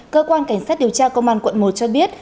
cơ quan cảnh sát điều tra công an quận một cho biết